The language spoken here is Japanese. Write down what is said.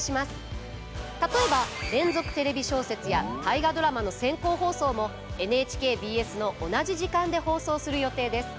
例えば「連続テレビ小説」や「大河ドラマ」の先行放送もＮＨＫＢＳの同じ時間で放送する予定です。